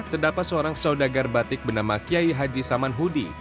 terdapat seorang saudagar batik bernama kiai haji saman hudi